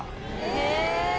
「へえ！」